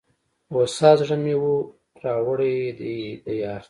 هوسا زړه مي وو را وړﺉ دې دیار ته